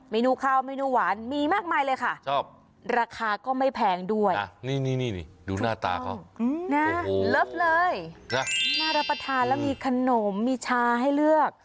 นูข้าวเมนูหวานมีมากมายเลยค่ะราคาก็ไม่แพงด้วยนี่ดูหน้าตาเขานะเลิฟเลยนะน่ารับประทานแล้วมีขนมมีชาให้เลือก